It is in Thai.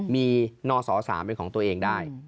มีนศ๓เป็นของตัวเองได้